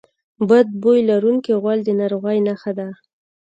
بد بوی لرونکی غول د ناروغۍ نښه ده.